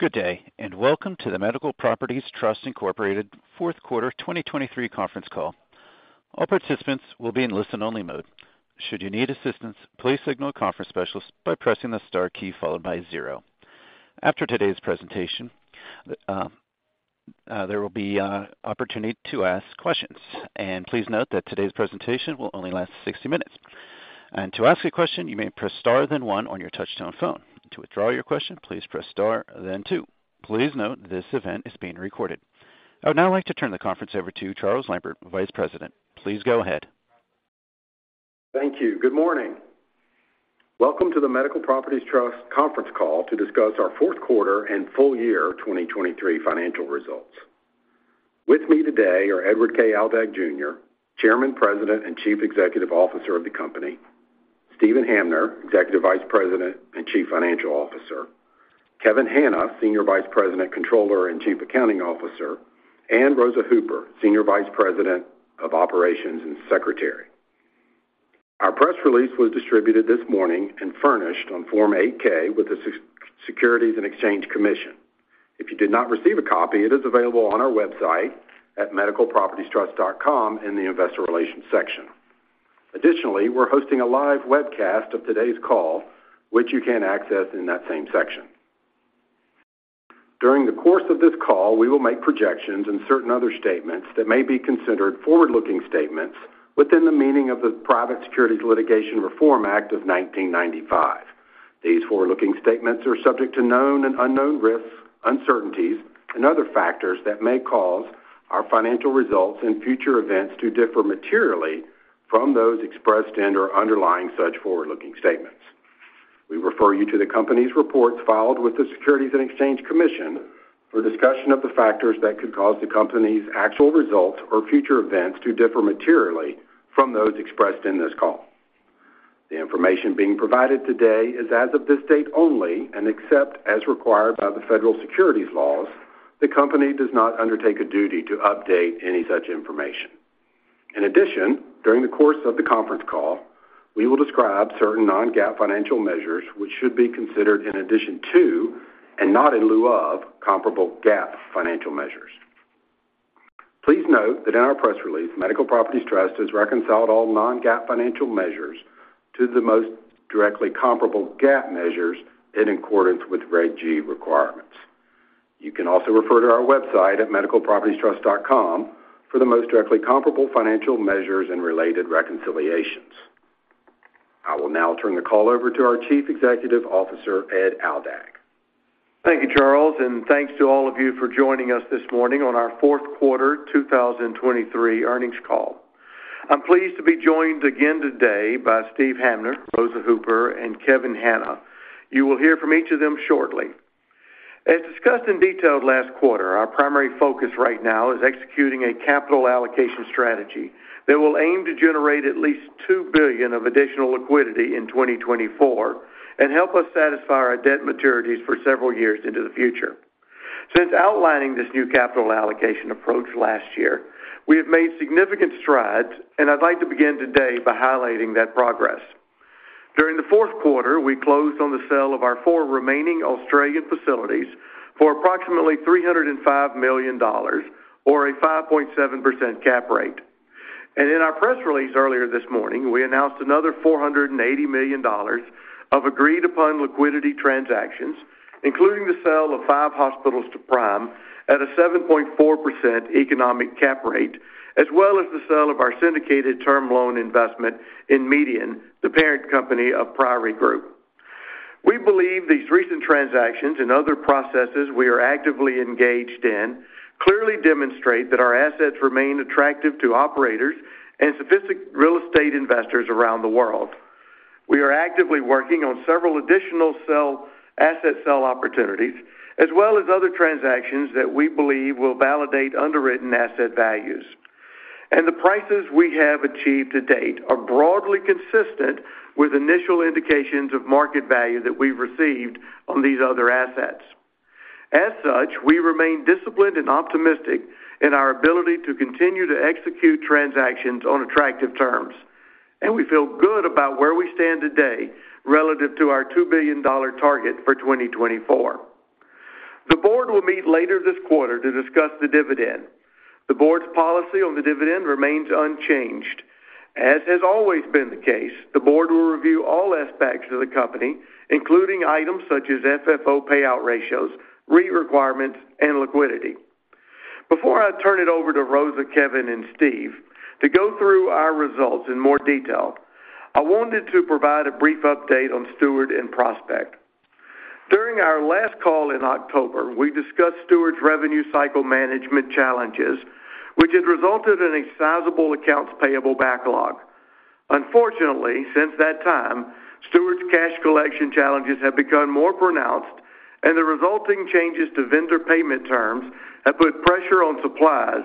Good day, and welcome to the Medical Properties Trust Incorporated Fourth Quarter 2023 Conference Call. All participants will be in listen-only mode. Should you need assistance, please signal a conference specialist by pressing the star key followed by zero. After today's presentation, there will be opportunity to ask questions, and please note that today's presentation will only last 60 minutes. To ask a question, you may press Star, then one on your touchtone phone. To withdraw your question, please press Star, then two. Please note, this event is being recorded. I would now like to turn the conference over to Charles Lambert, Vice President. Please go ahead. Thank you. Good morning. Welcome to the Medical Properties Trust conference call to discuss our fourth quarter and full year 2023 financial results. With me today are Edward K. Aldag, Jr., Chairman, President, and Chief Executive Officer of the company, Steven Hamner, Executive Vice President and Chief Financial Officer, Kevin Hanna, Senior Vice President, Controller, and Chief Accounting Officer, and Rosa Hooper, Senior Vice President of Operations and Secretary. Our press release was distributed this morning and furnished on Form 8-K with the Securities and Exchange Commission. If you did not receive a copy, it is available on our website at medicalpropertiestrust.com in the Investor Relations section. Additionally, we're hosting a live webcast of today's call, which you can access in that same section. During the course of this call, we will make projections and certain other statements that may be considered forward-looking statements within the meaning of the Private Securities Litigation Reform Act of 1995. These forward-looking statements are subject to known and unknown risks, uncertainties, and other factors that may cause our financial results and future events to differ materially from those expressed and/or underlying such forward-looking statements. We refer you to the company's reports filed with the Securities and Exchange Commission for discussion of the factors that could cause the company's actual results or future events to differ materially from those expressed in this call. The information being provided today is as of this date only, and except as required by the federal securities laws, the company does not undertake a duty to update any such information. In addition, during the course of the conference call, we will describe certain non-GAAP financial measures, which should be considered in addition to, and not in lieu of, comparable GAAP financial measures. Please note that in our press release, Medical Properties Trust has reconciled all non-GAAP financial measures to the most directly comparable GAAP measures in accordance with Reg G requirements. You can also refer to our website at medicalpropertiestrust.com for the most directly comparable financial measures and related reconciliations. I will now turn the call over to our Chief Executive Officer, Ed Aldag. Thank you, Charles, and thanks to all of you for joining us this morning on our fourth quarter 2023 earnings call. I'm pleased to be joined again today by Steve Hamner, Rosa Hooper, and Kevin Hanna. You will hear from each of them shortly. As discussed in detail last quarter, our primary focus right now is executing a capital allocation strategy that will aim to generate at least $2 billion of additional liquidity in 2024 and help us satisfy our debt maturities for several years into the future. Since outlining this new capital allocation approach last year, we have made significant strides, and I'd like to begin today by highlighting that progress. During the fourth quarter, we closed on the sale of our four remaining Australian facilities for approximately $305 million, or a 5.7% cap rate. In our press release earlier this morning, we announced another $480 million of agreed-upon liquidity transactions, including the sale of five hospitals to Prime at a 7.4% economic cap rate, as well as the sale of our syndicated term loan investment in MEDIAN, the parent company of Priory Group. We believe these recent transactions and other processes we are actively engaged in clearly demonstrate that our assets remain attractive to operators and sophisticated real estate investors around the world. We are actively working on several additional asset sale opportunities, as well as other transactions that we believe will validate underwritten asset values. The prices we have achieved to date are broadly consistent with initial indications of market value that we've received on these other assets. As such, we remain disciplined and optimistic in our ability to continue to execute transactions on attractive terms, and we feel good about where we stand today relative to our $2 billion target for 2024. The board will meet later this quarter to discuss the dividend. The board's policy on the dividend remains unchanged. As has always been the case, the board will review all aspects of the company, including items such as FFO payout ratios, REIT requirements, and liquidity. Before I turn it over to Rosa, Kevin, and Steve, to go through our results in more detail, I wanted to provide a brief update on Steward and Prospect. During our last call in October, we discussed Steward's revenue cycle management challenges, which had resulted in a sizable accounts payable backlog. Unfortunately, since that time, Steward's cash collection challenges have become more pronounced, and the resulting changes to vendor payment terms have put pressure on supplies,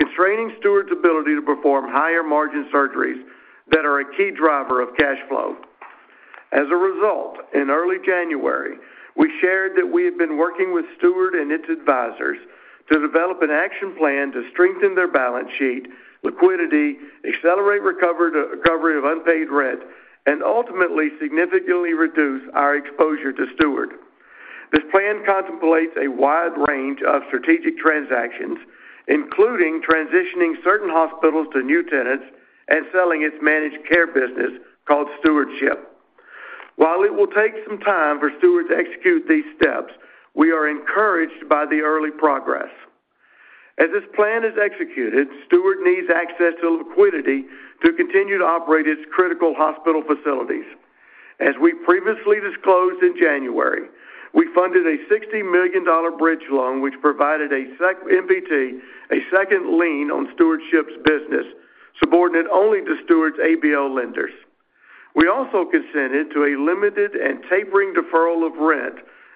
constraining Steward's ability to perform higher-margin surgeries that are a key driver of cash flow. As a result, in early January, we shared that we had been working with Steward and its advisors to develop an action plan to strengthen their balance sheet, liquidity, accelerate the recovery of unpaid rent, and ultimately significantly reduce our exposure to Steward. This plan contemplates a wide range of strategic transactions, including transitioning certain hospitals to new tenants and selling its managed care business called Stewardship. While it will take some time for Steward to execute these steps, we are encouraged by the early progress. As this plan is executed, Steward needs access to liquidity to continue to operate its critical hospital facilities. As we previously disclosed in January, we funded a $60 million bridge loan, which provided MPT a second lien on Stewardship's business, subordinate only to Steward's ABL lenders. We also consented to a limited and tapering deferral of rent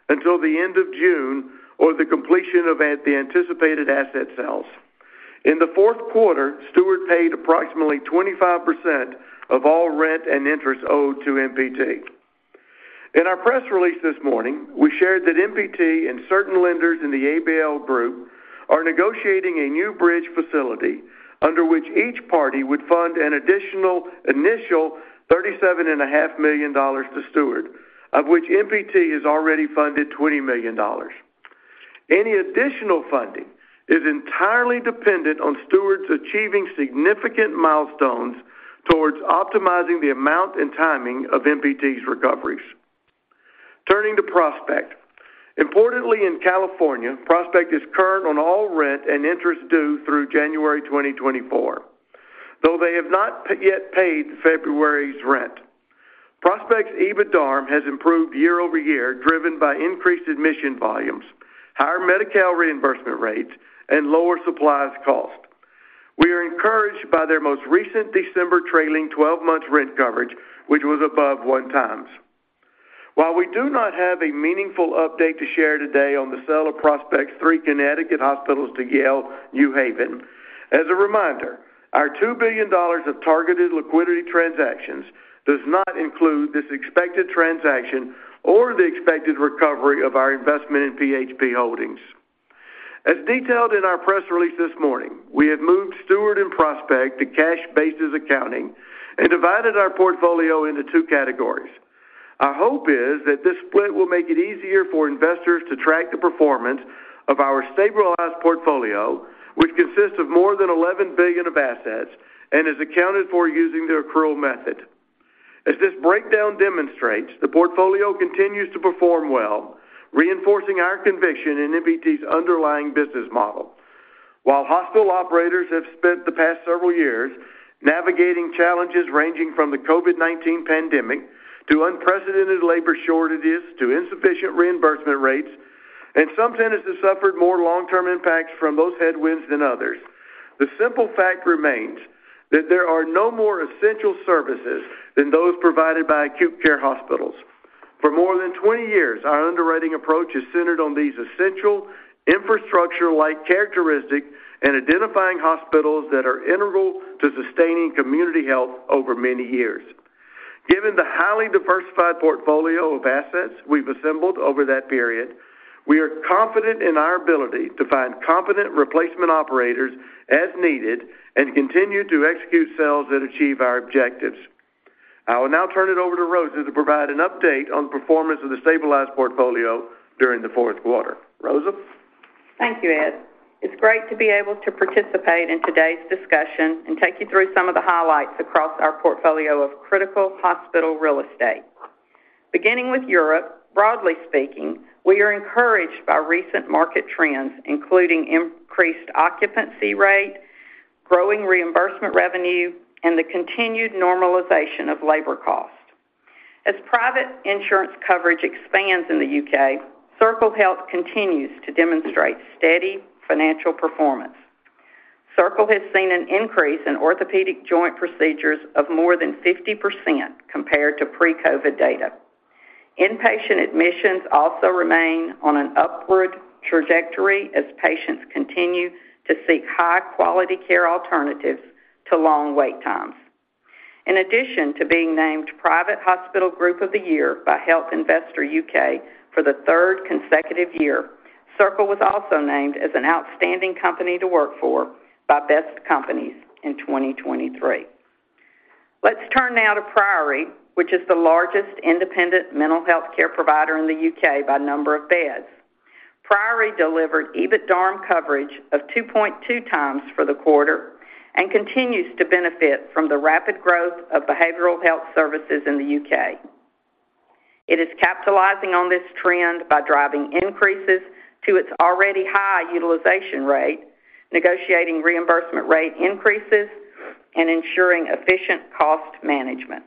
until the end of June or the completion of the anticipated asset sales. In the fourth quarter, Steward paid approximately 25% of all rent and interest owed to MPT. In our press release this morning, we shared that MPT and certain lenders in the ABL group are negotiating a new bridge facility under which each party would fund an additional initial $37.5 million to Steward, of which MPT has already funded $20 million. Any additional funding is entirely dependent on Steward's achieving significant milestones towards optimizing the amount and timing of MPT's recoveries. Turning to Prospect. Importantly, in California, Prospect is current on all rent and interest due through January 2024, though they have not yet paid February's rent. Prospect's EBITDARM has improved year-over-year, driven by increased admission volumes, higher Medi-Cal reimbursement rates, and lower supplies cost. We are encouraged by their most recent December trailing twelve months rent coverage, which was above one times. While we do not have a meaningful update to share today on the sale of Prospect's three Connecticut hospitals to Yale New Haven, as a reminder, our $2 billion of targeted liquidity transactions does not include this expected transaction or the expected recovery of our investment in PHP Holdings. As detailed in our press release this morning, we have moved Steward and Prospect to cash basis accounting and divided our portfolio into two categories. Our hope is that this split will make it easier for investors to track the performance of our stabilized portfolio, which consists of more than $11 billion of assets and is accounted for using the accrual method. As this breakdown demonstrates, the portfolio continues to perform well, reinforcing our conviction in MPT's underlying business model. While hospital operators have spent the past several years navigating challenges ranging from the COVID-19 pandemic, to unprecedented labor shortages, to insufficient reimbursement rates, and some tenants have suffered more long-term impacts from those headwinds than others, the simple fact remains that there are no more essential services than those provided by acute care hospitals. For more than 20 years, our underwriting approach is centered on these essential infrastructure-like characteristics and identifying hospitals that are integral to sustaining community health over many years. Given the highly diversified portfolio of assets we've assembled over that period, we are confident in our ability to find competent replacement operators as needed and continue to execute sales that achieve our objectives. I will now turn it over to Rosa to provide an update on the performance of the stabilized portfolio during the fourth quarter. Rosa? Thank you, Ed. It's great to be able to participate in today's discussion and take you through some of the highlights across our portfolio of critical hospital real estate. Beginning with Europe, broadly speaking, we are encouraged by recent market trends, including increased occupancy rate, growing reimbursement revenue, and the continued normalization of labor costs. As private insurance coverage expands in the U.K., Circle Health continues to demonstrate steady financial performance. Circle has seen an increase in orthopedic joint procedures of more than 50% compared to pre-COVID data. Inpatient admissions also remain on an upward trajectory as patients continue to seek high-quality care alternatives to long wait times. In addition to being named Private Hospital Group of the Year by Health Investor U.K. for the third consecutive year, Circle was also named as an outstanding company to work for by Best Companies in 2023. Let's turn now to Priory, which is the largest independent mental health care provider in the UK by number of beds. Priory delivered EBITDARM coverage of 2.0x for the quarter and continues to benefit from the rapid growth of behavioral health services in the UK. It is capitalizing on this trend by driving increases to its already high utilization rate, negotiating reimbursement rate increases, and ensuring efficient cost management.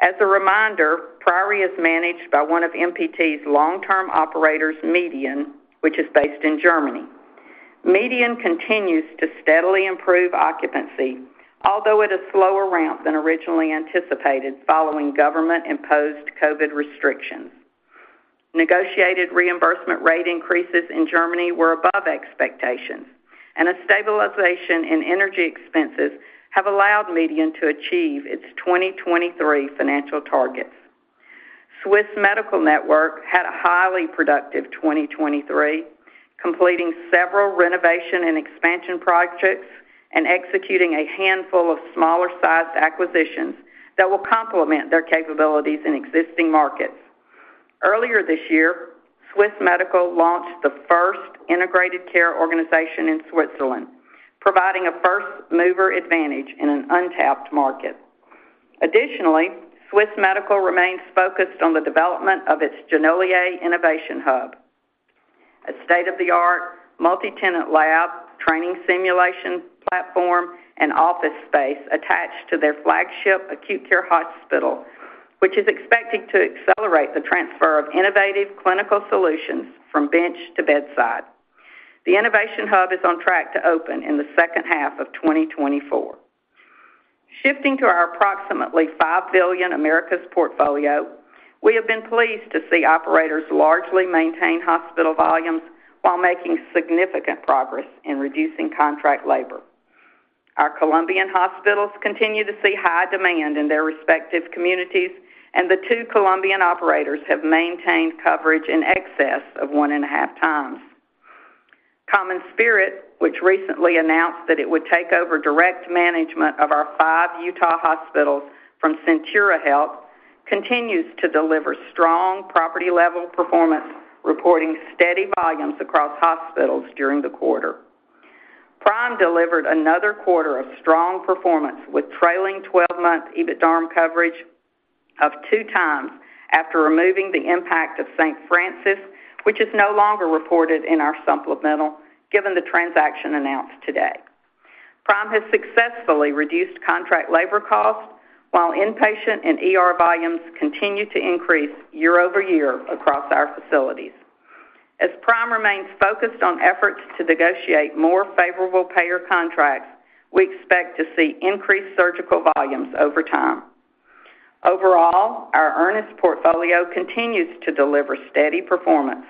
As a reminder, Priory is managed by one of MPT's long-term operators, MEDIAN, which is based in Germany. MEDIAN continues to steadily improve occupancy, although at a slower ramp than originally anticipated following government-imposed COVID restrictions. Negotiated reimbursement rate increases in Germany were above expectations, and a stabilization in energy expenses have allowed MEDIAN to achieve its 2023 financial targets. Swiss Medical Network had a highly productive 2023, completing several renovation and expansion projects and executing a handful of smaller-sized acquisitions that will complement their capabilities in existing markets. Earlier this year, Swiss Medical launched the first integrated care organization in Switzerland, providing a first mover advantage in an untapped market. Additionally, Swiss Medical remains focused on the development of its Genolier Innovation Hub, a state-of-the-art, multi-tenant lab, training simulation platform, and office space attached to their flagship acute care hospital, which is expected to accelerate the transfer of innovative clinical solutions from bench to bedside. The Innovation Hub is on track to open in the second half of 2024. Shifting to our approximately $5 billion Americas portfolio, we have been pleased to see operators largely maintain hospital volumes while making significant progress in reducing contract labor. Our Colombian hospitals continue to see high demand in their respective communities, and the two Colombian operators have maintained coverage in excess of 1.5 times. CommonSpirit, which recently announced that it would take over direct management of our five Utah hospitals from Centura Health, continues to deliver strong property-level performance, reporting steady volumes across hospitals during the quarter. Prime delivered another quarter of strong performance, with trailing 12-month EBITDARM coverage of two times after removing the impact of St. Francis, which is no longer reported in our supplemental, given the transaction announced today. Prime has successfully reduced contract labor costs, while inpatient and ER volumes continue to increase year-over-year across our facilities. As Prime remains focused on efforts to negotiate more favorable payer contracts, we expect to see increased surgical volumes over time. Overall, our Ernest portfolio continues to deliver steady performance.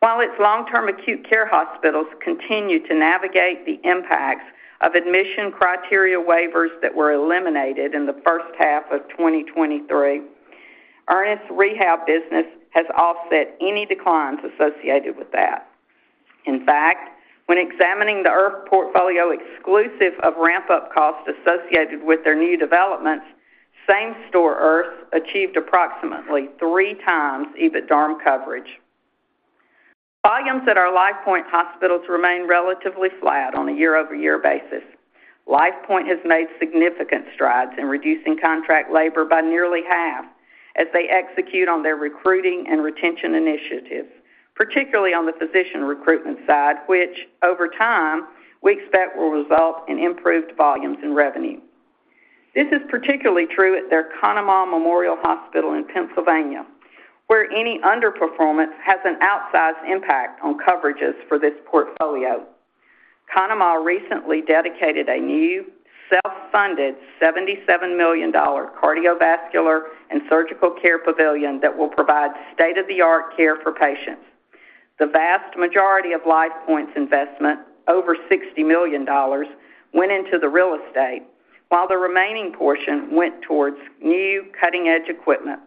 While its long-term acute care hospitals continue to navigate the impacts of admission criteria waivers that were eliminated in the first half of 2023, Ernest's rehab business has offset any declines associated with that. In fact, when examining the IRF portfolio, exclusive of ramp-up costs associated with their new developments, same-store IRFs achieved approximately 3x EBITDARM coverage. Volumes at our LifePoint hospitals remain relatively flat on a year-over-year basis. LifePoint has made significant strides in reducing contract labor by nearly half as they execute on their recruiting and retention initiatives, particularly on the physician recruitment side, which over time, we expect will result in improved volumes and revenue. This is particularly true at their Conemaugh Memorial Hospital in Pennsylvania, where any underperformance has an outsized impact on coverages for this portfolio. Conemaugh recently dedicated a new self-funded $77 million cardiovascular and surgical care pavilion that will provide state-of-the-art care for patients. The vast majority of LifePoint's investment, over $60 million, went into the real estate, while the remaining portion went towards new cutting-edge equipment.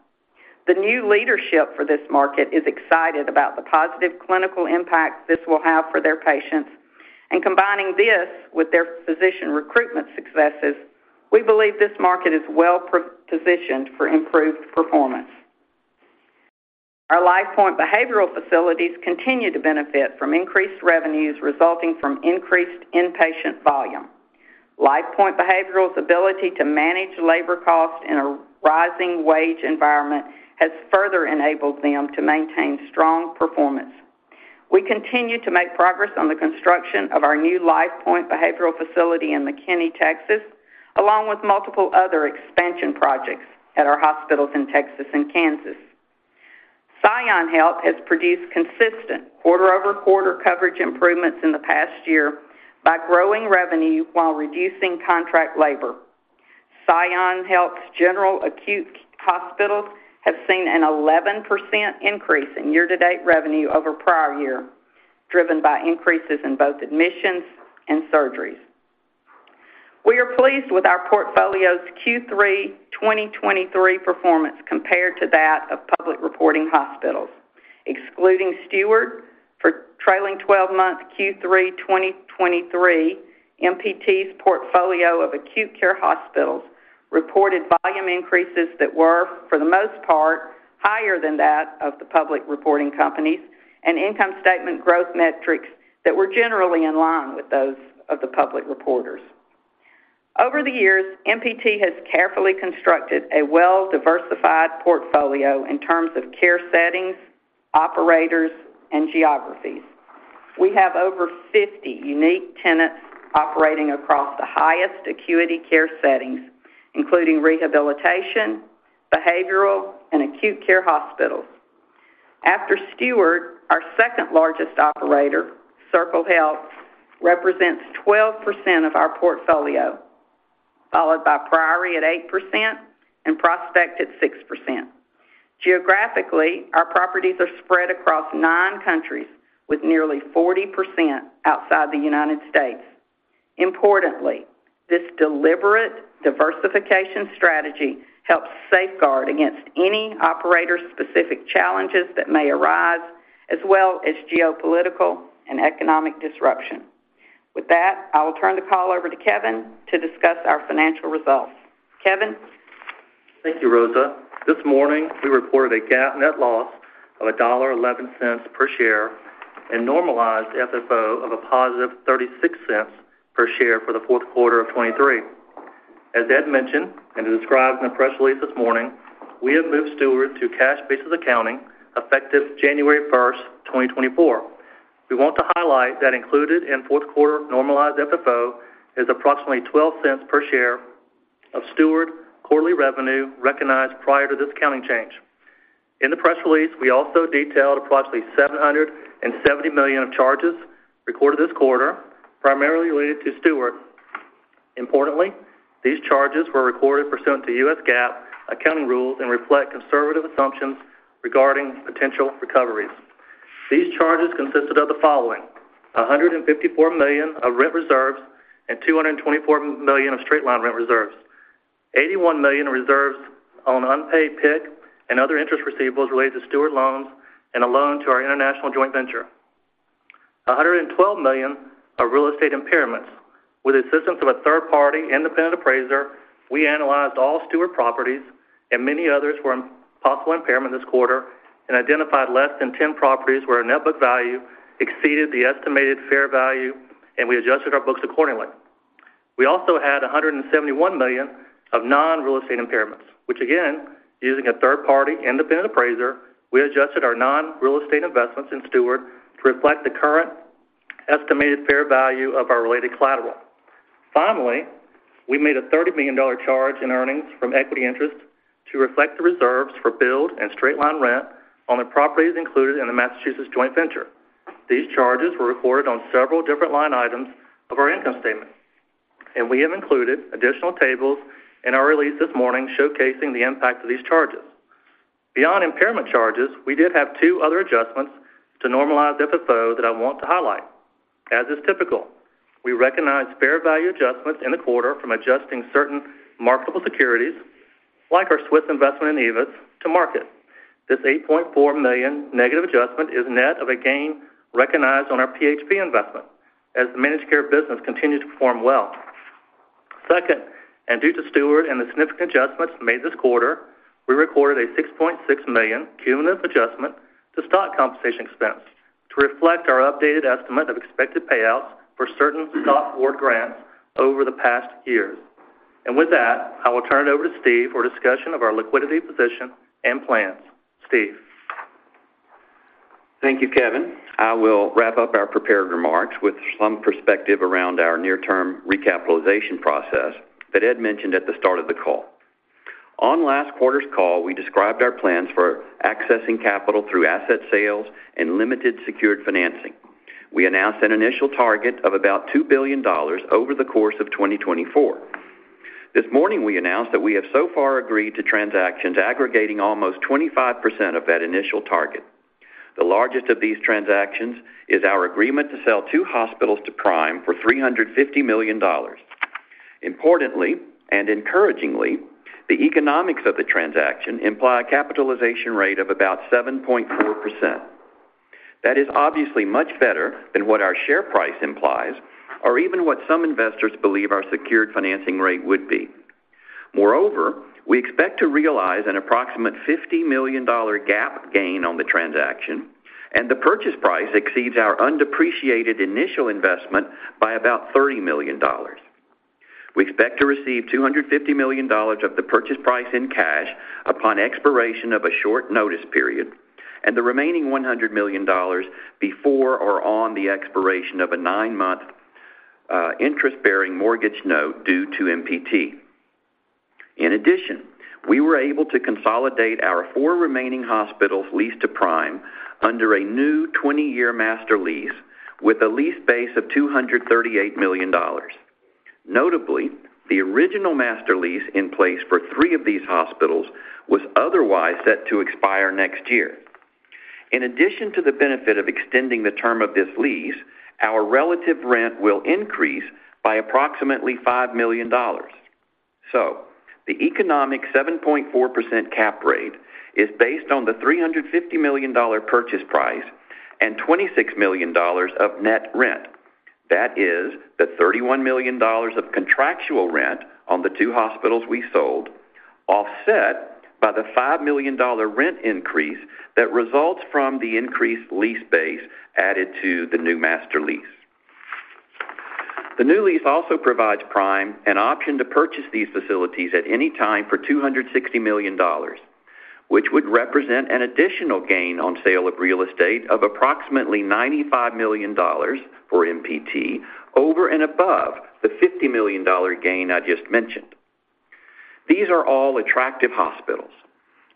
The new leadership for this market is excited about the positive clinical impact this will have for their patients, and combining this with their physician recruitment successes, we believe this market is well-positioned for improved performance. Our LifePoint Behavioral facilities continue to benefit from increased revenues resulting from increased inpatient volume. LifePoint Behavioral's ability to manage labor costs in a rising wage environment has further enabled them to maintain strong performance. We continue to make progress on the construction of our new LifePoint Behavioral facility in McKinney, Texas, along with multiple other expansion projects at our hospitals in Texas and Kansas. ScionHealth has produced consistent quarter-over-quarter coverage improvements in the past year by growing revenue while reducing contract labor. ScionHealth's general acute hospitals have seen an 11% increase in year-to-date revenue over prior year, driven by increases in both admissions and surgeries. We are pleased with our portfolio's Q3 2023 performance compared to that of public reporting hospitals. Excluding Steward for trailing twelve-month Q3 2023, MPT's portfolio of acute care hospitals reported volume increases that were, for the most part, higher than that of the public reporting companies, and income statement growth metrics that were generally in line with those of the public reporters. Over the years, MPT has carefully constructed a well-diversified portfolio in terms of care settings, operators, and geographies. We have over 50 unique tenants operating across the highest acuity care settings, including rehabilitation, behavioral, and acute care hospitals. After Steward, our second largest operator, Circle Health, represents 12% of our portfolio, followed by Priory at 8% and Prospect at 6%. Geographically, our properties are spread across nine countries, with nearly 40% outside the United States.... Importantly, this deliberate diversification strategy helps safeguard against any operator-specific challenges that may arise, as well as geopolitical and economic disruption. With that, I will turn the call over to Kevin to discuss our financial results. Kevin? Thank you, Rosa. This morning, we reported a GAAP net loss of $1.11 per share and normalized FFO of a positive $0.36 per share for the fourth quarter of 2023. As Ed mentioned, and described in the press release this morning, we have moved Steward to cash basis accounting, effective January 1st, 2024. We want to highlight that included in fourth quarter normalized FFO is approximately $0.12 per share of Steward quarterly revenue recognized prior to this accounting change. In the press release, we also detailed approximately $770 million of charges recorded this quarter, primarily related to Steward. Importantly, these charges were recorded pursuant to U.S. GAAP accounting rules and reflect conservative assumptions regarding potential recoveries. These charges consisted of the following: $154 million of rent reserves and $224 million of straight-line rent reserves, $81 million in reserves on unpaid PIK and other interest receivables related to Steward loans and a loan to our international joint venture. $112 million of real estate impairments. With the assistance of a third-party independent appraiser, we analyzed all Steward properties, and many others were in possible impairment this quarter and identified less than 10 properties where our net book value exceeded the estimated fair value, and we adjusted our books accordingly. We also had $171 million of non-real estate impairments, which again, using a third-party independent appraiser, we adjusted our non-real estate investments in Steward to reflect the current estimated fair value of our related collateral. Finally, we made a $30 million charge in earnings from equity interest to reflect the reserves for build and straight-line rent on the properties included in the Massachusetts joint venture. These charges were recorded on several different line items of our income statement, and we have included additional tables in our release this morning showcasing the impact of these charges. Beyond impairment charges, we did have two other adjustments to normalized FFO that I want to highlight. As is typical, we recognize fair value adjustments in the quarter from adjusting certain marketable securities, like our Swiss investment in Aevis, to market. This $8.4 million negative adjustment is net of a gain recognized on our PHP investment as the managed care business continues to perform well. Second, and due to Steward and the significant adjustments made this quarter, we recorded a $6.6 million cumulative adjustment to stock compensation expense to reflect our updated estimate of expected payouts for certain stock award grants over the past years. With that, I will turn it over to Steve for discussion of our liquidity position and plans. Steve? Thank you, Kevin. I will wrap up our prepared remarks with some perspective around our near-term recapitalization process that Ed mentioned at the start of the call. On last quarter's call, we described our plans for accessing capital through asset sales and limited secured financing. We announced an initial target of about $2 billion over the course of 2024. This morning, we announced that we have so far agreed to transactions aggregating almost 25% of that initial target. The largest of these transactions is our agreement to sell two hospitals to Prime for $350 million. Importantly, and encouragingly, the economics of the transaction imply a capitalization rate of about 7.4%. That is obviously much better than what our share price implies or even what some investors believe our secured financing rate would be. Moreover, we expect to realize an approximate $50 million GAAP gain on the transaction, and the purchase price exceeds our undepreciated initial investment by about $30 million. We expect to receive $250 million of the purchase price in cash upon expiration of a short notice period, and the remaining $100 million before or on the expiration of a nine-month, interest-bearing mortgage note due to MPT. In addition, we were able to consolidate our four remaining hospitals leased to Prime under a new 20-year master lease with a lease base of $238 million. Notably, the original master lease in place for three of these hospitals was otherwise set to expire next year. In addition to the benefit of extending the term of this lease, our relative rent will increase by approximately $5 million. The economic 7.4% cap rate is based on the $350 million purchase price and $26 million of net rent. That is the $31 million of contractual rent on the two hospitals we sold, offset by the $5 million rent increase that results from the increased lease base added to the new master lease. The new lease also provides Prime an option to purchase these facilities at any time for $260 million, which would represent an additional gain on sale of real estate of approximately $95 million for MPT over and above the $50 million gain I just mentioned. These are all attractive hospitals,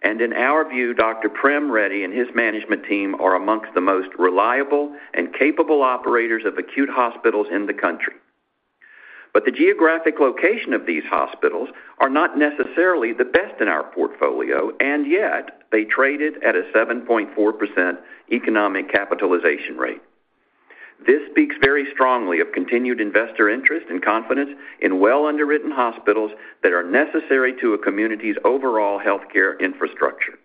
and in our view, Dr. Prem Reddy and his management team are among the most reliable and capable operators of acute hospitals in the country.... But the geographic location of these hospitals are not necessarily the best in our portfolio, and yet they traded at a 7.4% economic capitalization rate. This speaks very strongly of continued investor interest and confidence in well underwritten hospitals that are necessary to a community's overall healthcare infrastructure.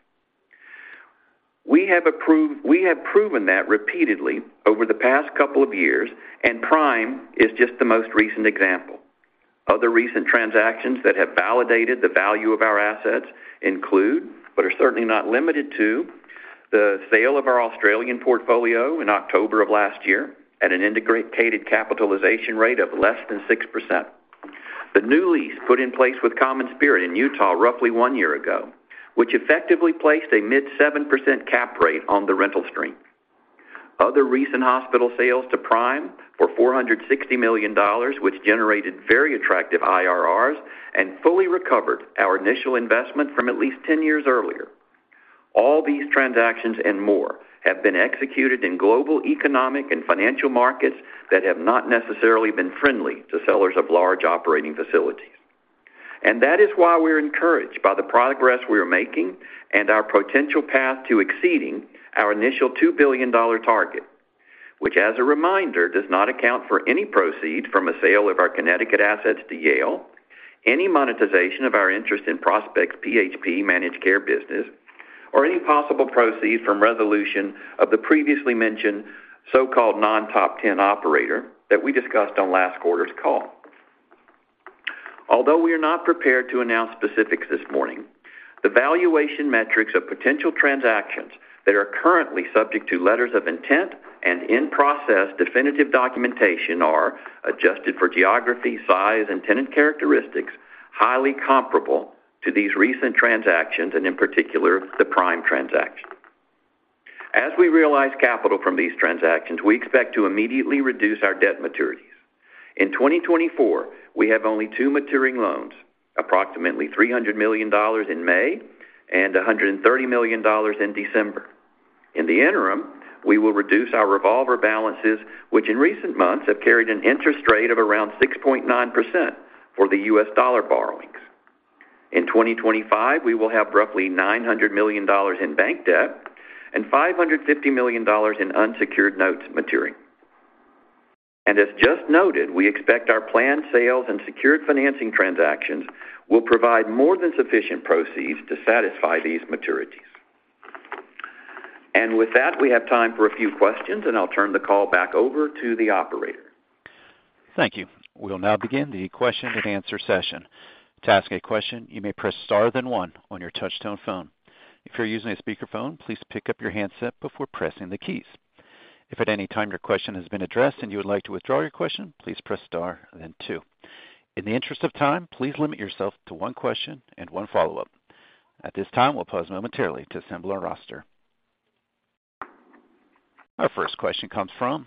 We have proven that repeatedly over the past couple of years, and Prime is just the most recent example. Other recent transactions that have validated the value of our assets include, but are certainly not limited to, the sale of our Australian portfolio in October of last year at an integrated capitalization rate of less than 6%. The new lease put in place with CommonSpirit in Utah roughly one year ago, which effectively placed a mid 7% cap rate on the rental stream. Other recent hospital sales to Prime for $460 million, which generated very attractive IRRs and fully recovered our initial investment from at least 10 years earlier. All these transactions and more have been executed in global, economic, and financial markets that have not necessarily been friendly to sellers of large operating facilities. And that is why we're encouraged by the progress we are making and our potential path to exceeding our initial $2 billion target, which, as a reminder, does not account for any proceeds from a sale of our Connecticut assets to Yale, any monetization of our interest in Prospect PHP Managed Care business, or any possible proceeds from resolution of the previously mentioned so-called non-top ten operator that we discussed on last quarter's call. Although we are not prepared to announce specifics this morning, the valuation metrics of potential transactions that are currently subject to letters of intent and in process definitive documentation are adjusted for geography, size, and tenant characteristics, highly comparable to these recent transactions, and in particular, the Prime transaction. As we realize capital from these transactions, we expect to immediately reduce our debt maturities. In 2024, we have only two maturing loans, approximately $300 million in May and $130 million in December. In the interim, we will reduce our revolver balances, which in recent months have carried an interest rate of around 6.9% for the U.S. dollar borrowings. In 2025, we will have roughly $900 million in bank debt and $550 million in unsecured notes maturing. As just noted, we expect our planned sales and secured financing transactions will provide more than sufficient proceeds to satisfy these maturities. With that, we have time for a few questions, and I'll turn the call back over to the operator. Thank you. We'll now begin the question and answer session. To ask a question, you may press Star, then one on your touchtone phone. If you're using a speakerphone, please pick up your handset before pressing the keys. If at any time your question has been addressed and you would like to withdraw your question, please press Star, then two. In the interest of time, please limit yourself to one question and one follow-up. At this time, we'll pause momentarily to assemble our roster. Our first question comes from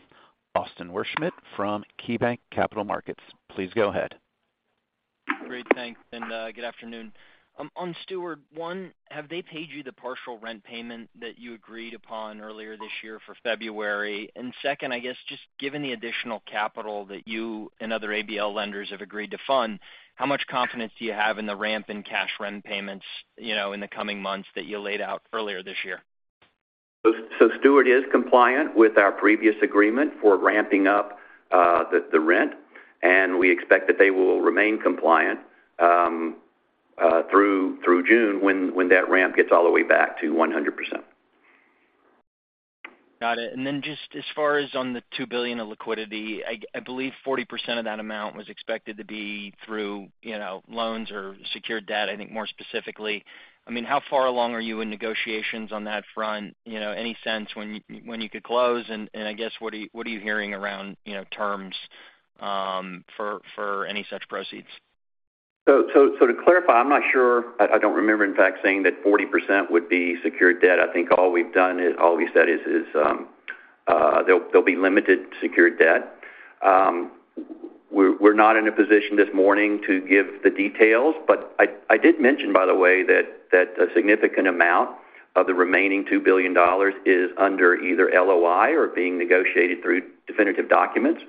Austin Wurschmidt from KeyBanc Capital Markets. Please go ahead. Great, thanks, and, good afternoon. On Steward, one, have they paid you the partial rent payment that you agreed upon earlier this year for February? And second, I guess, just given the additional capital that you and other ABL lenders have agreed to fund, how much confidence do you have in the ramp in cash rent payments, you know, in the coming months that you laid out earlier this year? Steward is compliant with our previous agreement for ramping up the rent, and we expect that they will remain compliant through June, when that ramp gets all the way back to 100%. Got it. And then just as far as on the $2 billion of liquidity, I believe 40% of that amount was expected to be through, you know, loans or secured debt, I think, more specifically. I mean, how far along are you in negotiations on that front? You know, any sense when you could close? And I guess, what are you hearing around, you know, terms for any such proceeds? So to clarify, I'm not sure. I don't remember, in fact, saying that 40% would be secured debt. I think all we've done is, all we've said is there'll be limited secured debt. We're not in a position this morning to give the details, but I did mention, by the way, that a significant amount of the remaining $2 billion is under either LOI or being negotiated through definitive documents.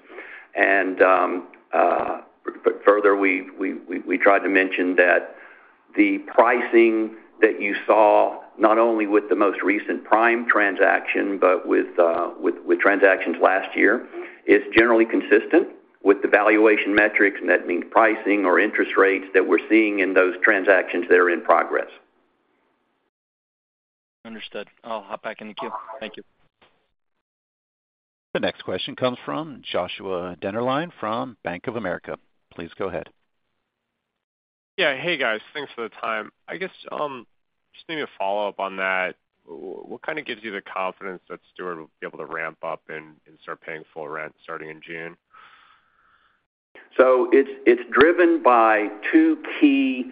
But further, we tried to mention that the pricing that you saw, not only with the most recent Prime transaction, but with transactions last year, is generally consistent with the valuation metrics, and that means pricing or interest rates, that we're seeing in those transactions that are in progress. Understood. I'll hop back in the queue. Thank you. The next question comes from Joshua Dennerlein from Bank of America. Please go ahead. Yeah. Hey, guys. Thanks for the time. I guess, just maybe a follow-up on that. What kind of gives you the confidence that Steward will be able to ramp up and start paying full rent starting in June? So it's driven by two key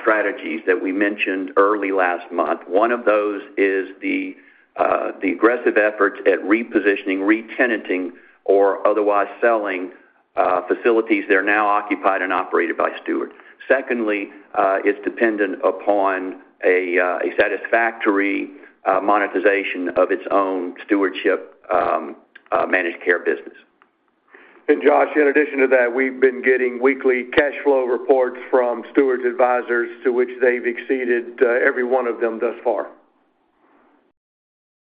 strategies that we mentioned early last month. One of those is the aggressive efforts at repositioning, re-tenanting, or otherwise selling facilities that are now occupied and operated by Steward. Secondly, it's dependent upon a satisfactory monetization of its own Stewardship managed care business.... Josh, in addition to that, we've been getting weekly cash flow reports from Steward's advisors, to which they've exceeded every one of them thus far.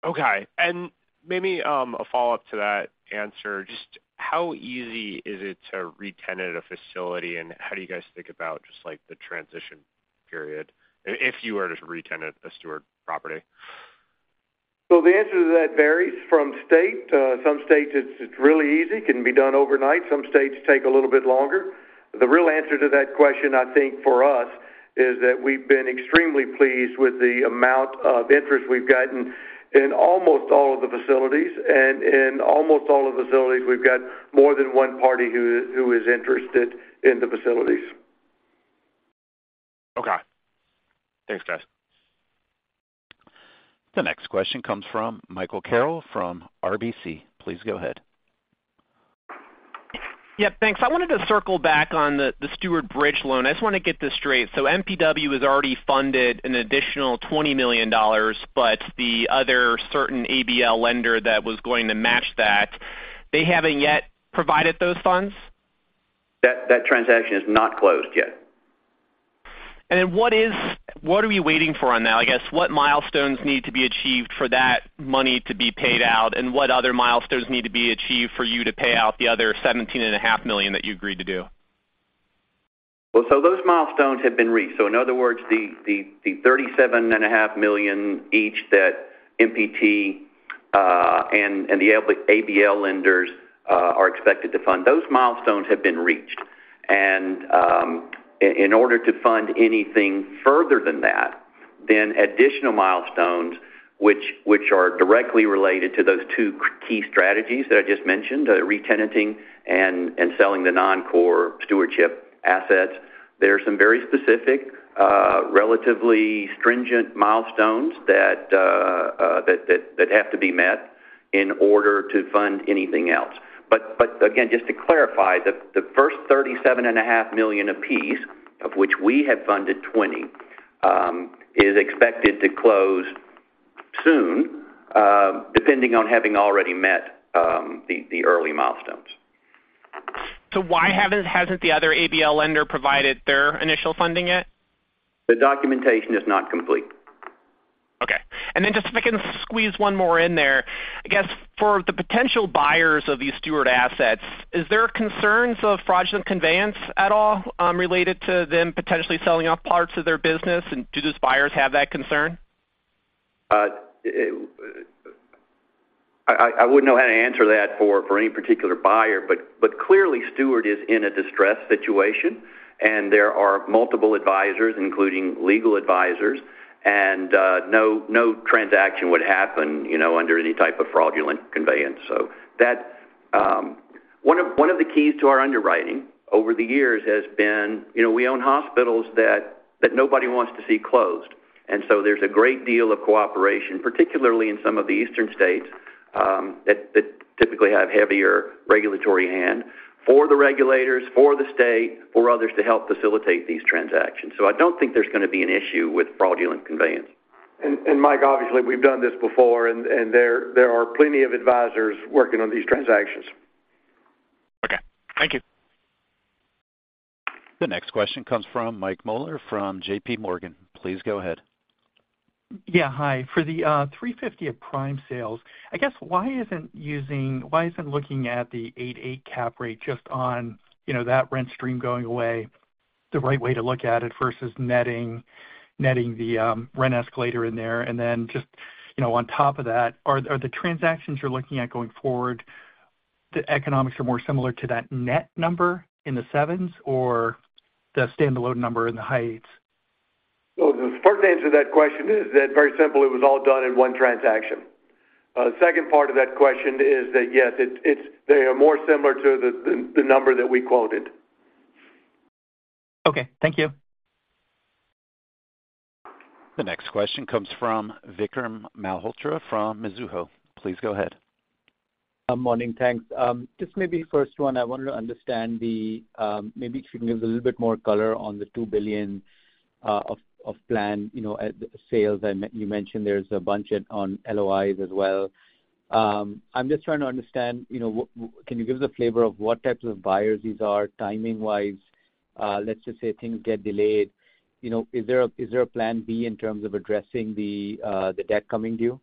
Okay. And maybe, a follow-up to that answer, just how easy is it to retenant a facility, and how do you guys think about just, like, the transition period if you were to retenant a Steward property? So the answer to that varies from state. Some states, it's really easy, can be done overnight. Some states take a little bit longer. The real answer to that question, I think, for us, is that we've been extremely pleased with the amount of interest we've gotten in almost all of the facilities, and in almost all of the facilities, we've got more than one party who is interested in the facilities. Okay. Thanks, guys. The next question comes from Michael Carroll from RBC. Please go ahead. Yeah, thanks. I wanted to circle back on the Steward Bridge loan. I just wanna get this straight. So MPW has already funded an additional $20 million, but the other certain ABL lender that was going to match that, they haven't yet provided those funds? That transaction is not closed yet. Then what are we waiting for on that? I guess, what milestones need to be achieved for that money to be paid out, and what other milestones need to be achieved for you to pay out the other $17.5 million that you agreed to do? Well, so those milestones have been reached. So in other words, the $37.5 million each that MPT and the ABL lenders are expected to fund, those milestones have been reached. And in order to fund anything further than that, then additional milestones, which are directly related to those two key strategies that I just mentioned, re-tenanting and selling the non-core Steward assets, there are some very specific, relatively stringent milestones that have to be met in order to fund anything else. But again, just to clarify, the first $37.5 million apiece, of which we have funded 20, is expected to close soon, depending on having already met the early milestones. Why hasn't the other ABL lender provided their initial funding yet? The documentation is not complete. Okay. Then just if I can squeeze one more in there. I guess, for the potential buyers of these Steward assets, is there concerns of fraudulent conveyance at all, related to them potentially selling off parts of their business? Do those buyers have that concern? I wouldn't know how to answer that for any particular buyer, but clearly, Steward is in a distressed situation, and there are multiple advisors, including legal advisors, and no transaction would happen, you know, under any type of fraudulent conveyance. So that one of the keys to our underwriting over the years has been, you know, we own hospitals that nobody wants to see closed. And so there's a great deal of cooperation, particularly in some of the eastern states, that typically have heavier regulatory hand for the regulators, for the state, for others to help facilitate these transactions. So I don't think there's gonna be an issue with fraudulent conveyance. And Mike, obviously, we've done this before, and there are plenty of advisors working on these transactions. Okay, thank you. The next question comes from Mike Mueller from JPMorgan. Please go ahead. Yeah, hi. For the $350 of Prime sales, I guess why isn't looking at the 8.8 cap rate just on, you know, that rent stream going away, the right way to look at it versus netting the rent escalator in there? And then just, you know, on top of that, are the transactions you're looking at going forward, the economics more similar to that net number in the 7s or the standalone number in the high 8s? So the first answer to that question is that very simple, it was all done in one transaction. The second part of that question is that, yes, it's they are more similar to the number that we quoted. Okay, thank you. The next question comes from Vikram Malhotra from Mizuho. Please go ahead. Good morning, thanks. Just maybe first one, I wanted to understand the. Maybe if you can give us a little bit more color on the $2 billion of planned, you know, sales. And you mentioned there's a bunch on LOIs as well. I'm just trying to understand, you know, can you give us a flavor of what types of buyers these are timing-wise? Let's just say things get delayed, you know, is there a plan B in terms of addressing the the debt coming to you?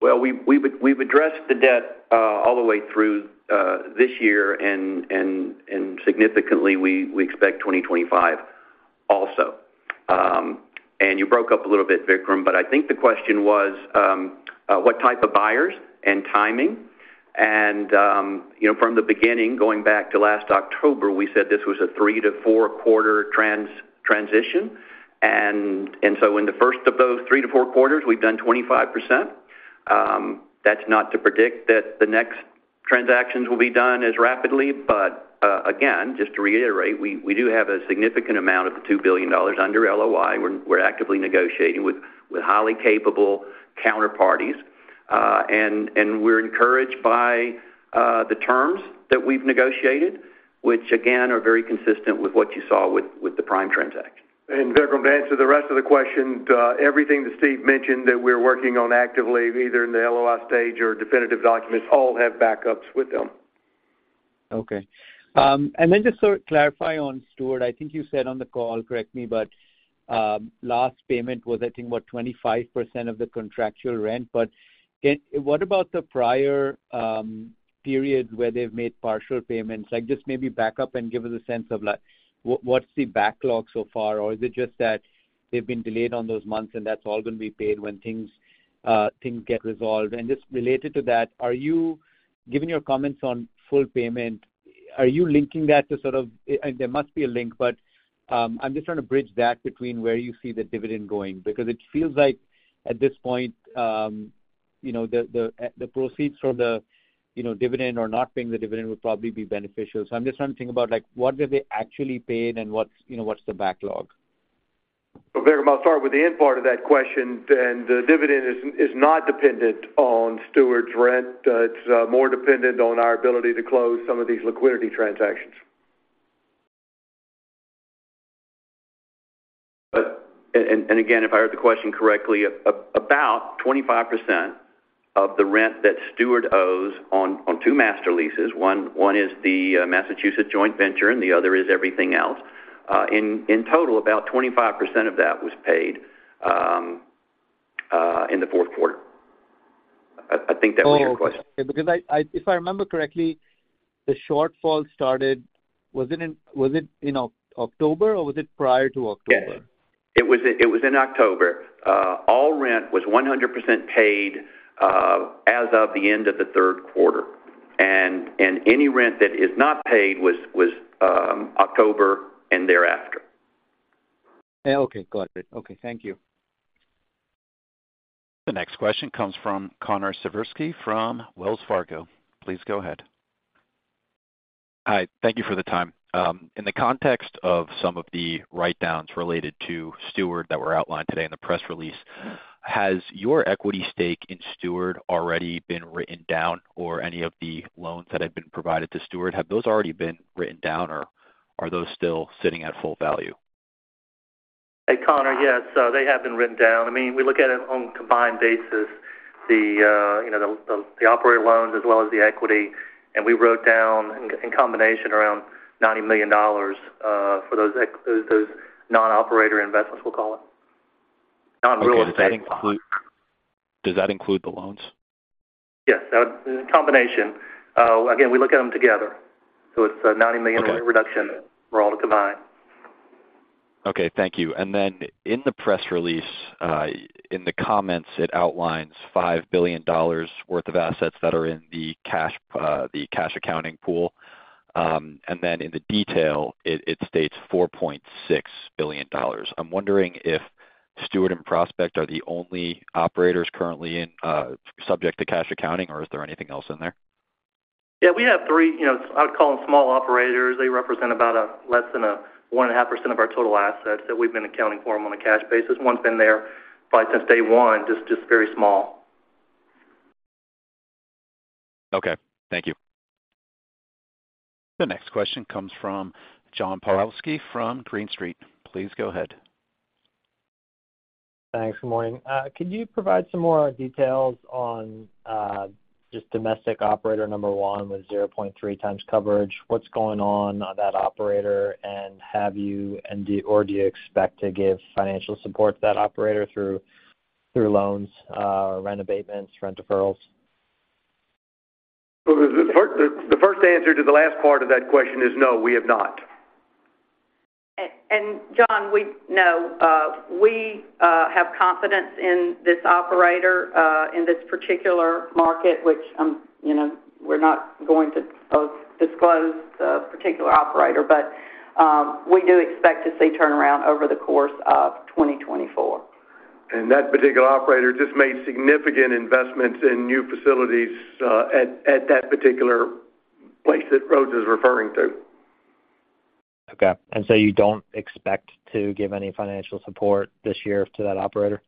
Well, we've addressed the debt all the way through this year, and significantly, we expect 2025 also. And you broke up a little bit, Vikram, but I think the question was what type of buyers and timing, and you know, from the beginning, going back to last October, we said this was a three to four quarter transition. And so in the first of those three to four quarters, we've done 25%. That's not to predict that the next transactions will be done as rapidly, but again, just to reiterate, we do have a significant amount of the $2 billion under LOI. We're actively negotiating with highly capable counterparties, and we're encouraged by the terms. that we've negotiated, which again, are very consistent with what you saw with, with the Prime transaction. Vikram, to answer the rest of the question, everything that Steve mentioned that we're working on actively, either in the LOI stage or definitive documents, all have backups with them. Okay. And then just to clarify on Steward, I think you said on the call, correct me, but last payment was, I think, what? 25% of the contractual rent. But, what about the prior periods where they've made partial payments? Like, just maybe back up and give us a sense of, like, what, what's the backlog so far? Or is it just that they've been delayed on those months, and that's all going to be paid when things, things get resolved? And just related to that, are you, given your comments on full payment, are you linking that to sort of... There must be a link, but I'm just trying to bridge that between where you see the dividend going, because it feels like at this point, you know, the proceeds from the, you know, dividend or not paying the dividend would probably be beneficial. So I'm just trying to think about, like, what have they actually paid and what's, you know, what's the backlog? Well, Vikram, I'll start with the end part of that question, and the dividend is not dependent on Steward's rent. It's more dependent on our ability to close some of these liquidity transactions. Again, if I heard the question correctly, about 25% of the rent that Steward owes on two master leases, one is the Massachusetts joint venture and the other is everything else. In total, about 25% of that was paid in the fourth quarter. I think that was your question. Oh, okay. Because I, if I remember correctly, the shortfall started, was it in, was it in October, or was it prior to October? Yes. It was in October. All rent was 100% paid as of the end of the third quarter. And any rent that is not paid was October and thereafter. Okay, got it. Okay, thank you. The next question comes from Connor Siversky from Wells Fargo. Please go ahead. Hi, thank you for the time. In the context of some of the write-downs related to Steward that were outlined today in the press release, has your equity stake in Steward already been written down or any of the loans that have been provided to Steward, have those already been written down, or are those still sitting at full value? Hey, Connor, yes, so they have been written down. I mean, we look at it on a combined basis, the, you know, the operator loans as well as the equity, and we wrote down in combination around $90 million for those non-operator investments, we'll call it, non-real estate investments. Okay, does that include the loans? Yes. Combination. Again, we look at them together, so it's a $90 million- Okay dollar reduction for all the combined. Okay, thank you. And then in the press release, in the comments, it outlines $5 billion worth of assets that are in the cash, the cash accounting pool. And then in the detail, it states $4.6 billion. I'm wondering if Steward and Prospect are the only operators currently in, subject to cash accounting, or is there anything else in there? Yeah, we have three, you know, I would call them small operators. They represent about a less than a 1.5% of our total assets that we've been accounting for on a cash basis. One's been there probably since day one, just, just very small. Okay, thank you. The next question comes from John Pawlowski from Green Street. Please go ahead. Thanks. Good morning. Could you provide some more details on just domestic operator number one with 0.3 times coverage? What's going on on that operator, and have you or do you expect to give financial support to that operator through loans, rent abatements, rent deferrals? Well, the first answer to the last part of that question is no, we have not. John, we have confidence in this operator in this particular market, which, you know, we're not going to disclose the particular operator, but we do expect to see turnaround over the course of 2024. That particular operator just made significant investments in new facilities at that particular place that Rosa is referring to. Okay. And so you don't expect to give any financial support this year to that operator?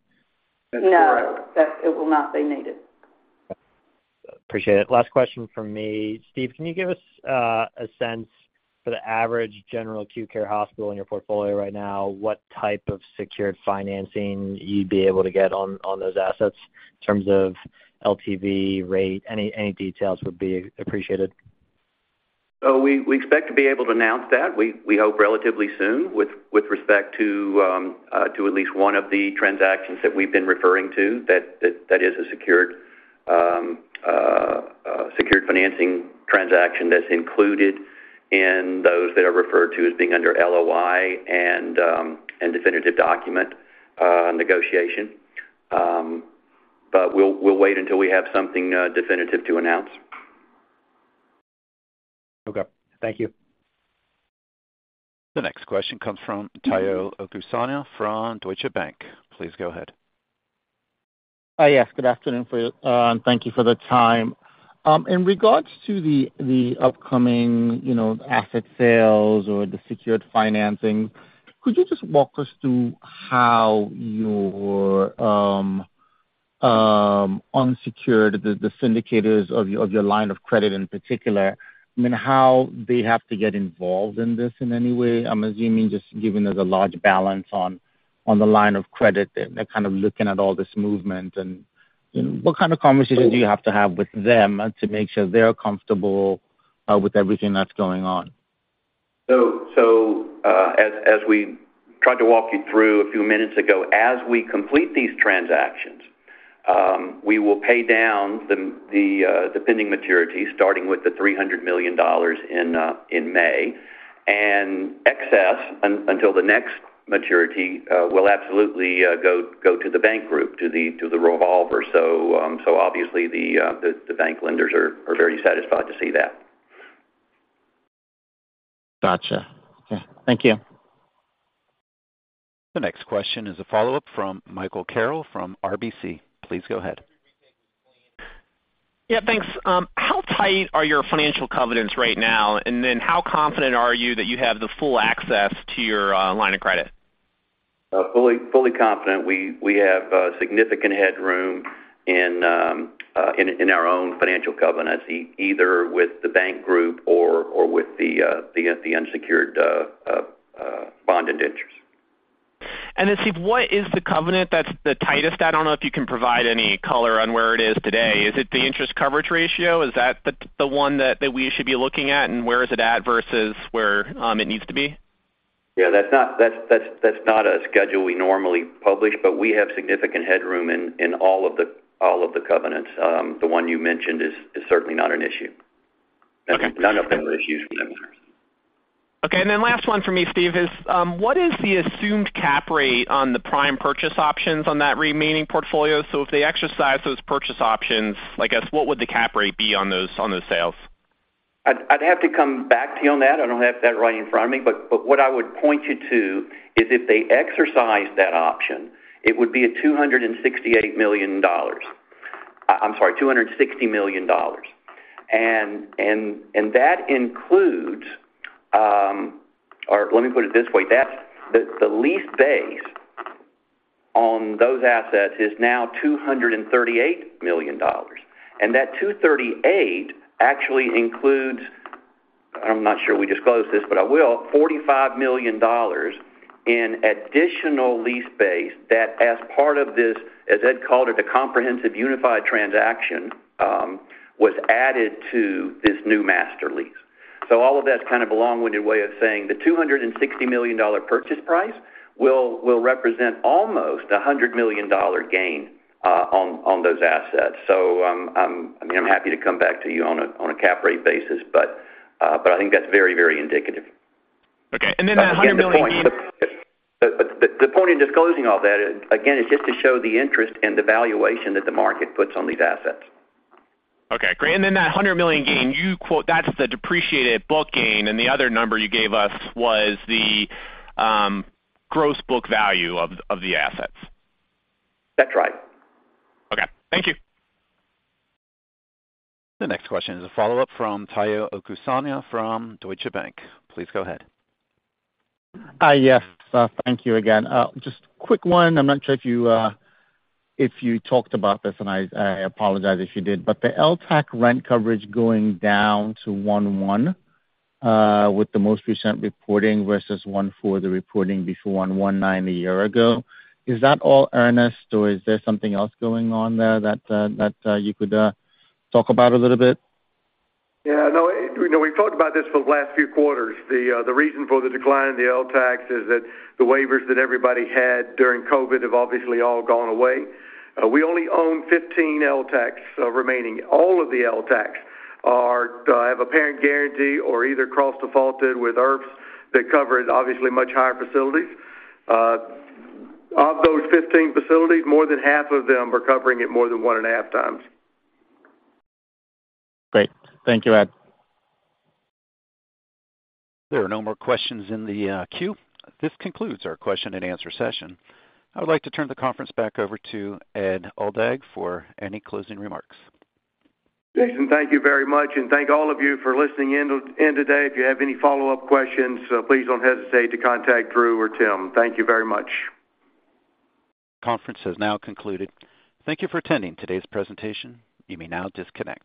No. That's correct. That it will not be needed. Okay. Appreciate it. Last question from me. Steve, can you give us a sense for the average general acute care hospital in your portfolio right now, what type of secured financing you'd be able to get on those assets in terms of LTV rate? Any details would be appreciated. So we expect to be able to announce that. We hope relatively soon with respect to at least one of the transactions that we've been referring to, that is a secured secured financing transaction that's included in those that are referred to as being under LOI and definitive document negotiation. But we'll wait until we have something definitive to announce. Okay. Thank you. The next question comes from Tayo Okusanya from Deutsche Bank. Please go ahead. Hi, yes, good afternoon for you, and thank you for the time. In regards to the upcoming, you know, asset sales or the secured financing, could you just walk us through how your unsecured, the syndicators of your line of credit, in particular, I mean, how they have to get involved in this in any way? I'm assuming just given there's a large balance on the line of credit, they're kind of looking at all this movement. And what kind of conversations do you have to have with them, to make sure they're comfortable with everything that's going on? So, as we tried to walk you through a few minutes ago, as we complete these transactions, we will pay down the pending maturity, starting with the $300 million in May. And excess until the next maturity will absolutely go to the bank group, to the revolver. So, obviously, the bank lenders are very satisfied to see that. Gotcha. Okay, thank you. The next question is a follow-up from Michael Carroll from RBC. Please go ahead. Yeah, thanks. How tight are your financial covenants right now? And then how confident are you that you have the full access to your line of credit? Fully confident. We have significant headroom in our own financial covenants, either with the bank group or with the unsecured bond indentures. Steve, what is the covenant that's the tightest? I don't know if you can provide any color on where it is today. Is it the interest coverage ratio? Is that the one that we should be looking at? And where is it at versus where it needs to be? Yeah, that's not a schedule we normally publish, but we have significant headroom in all of the covenants. The one you mentioned is certainly not an issue. Okay. None of them are issues for us. Okay, and then last one for me, Steve, is, what is the assumed cap rate on the Prime purchase options on that remaining portfolio? So if they exercise those purchase options, like, guess, what would the cap rate be on those, on those sales? I'd have to come back to you on that. I don't have that right in front of me. But what I would point you to is if they exercise that option, it would be a $268 million. I'm sorry, $260 million. And that includes... Or let me put it this way: That's the lease base on those assets is now $238 million, and that $238 actually includes, I'm not sure we disclosed this, but I will, $45 million in additional lease base that as part of this, as Ed called it, a comprehensive unified transaction, was added to this new master lease. So all of that's kind of a long-winded way of saying the $260 million purchase price will represent almost a $100 million gain on those assets. So, I mean, I'm happy to come back to you on a cap rate basis, but I think that's very, very indicative. Okay, and then the $100 million gain- But the point in disclosing all that, again, is just to show the interest and the valuation that the market puts on these assets. Okay, great. And then that $100 million gain, you quote, that's the depreciated book gain, and the other number you gave us was the gross book value of the assets. That's right. Okay, thank you. The next question is a follow-up from Tayo Okusanya from Deutsche Bank. Please go ahead. Yes, thank you again. Just quick one. I'm not sure if you, if you talked about this, and I, I apologize if you did, but the LTAC rent coverage going down to 1.1 with the most recent reporting, versus 1.4, the reporting before, and 1.9 a year ago, is that all Ernest, or is there something else going on there that, that, you could, talk about a little bit? Yeah, no, we talked about this for the last few quarters. The reason for the decline in the LTAC is that the waivers that everybody had during COVID have obviously all gone away. We only own 15 LTACs remaining. All of the LTACs are, have a parent guarantee or either cross defaulted with IRFs that covers obviously much higher facilities. Of those 15 facilities, more than half of them are covering it more than 1.5 times. Great. Thank you, Ed. There are no more questions in the queue. This concludes our question-and-answer session. I would like to turn the conference back over to Ed Aldag for any closing remarks. Jason, thank you very much, and thank all of you for listening in today. If you have any follow-up questions, please don't hesitate to contact Drew or Tim. Thank you very much. Conference has now concluded. Thank you for attending today's presentation. You may now disconnect.